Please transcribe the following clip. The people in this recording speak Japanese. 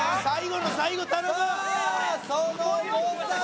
最後の最後頼む！